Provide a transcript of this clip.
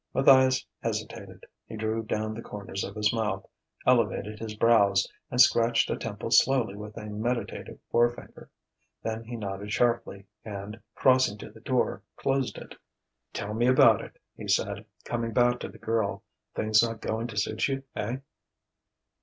Matthias hesitated. He drew down the corners of his mouth, elevated his brows, and scratched a temple slowly with a meditative forefinger. Then he nodded sharply and, crossing to the door, closed it. "Tell me about it," he said, coming back to the girl. "Things not going to suit you, eh?"